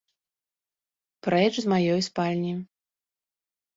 Прэч з маёй спальні!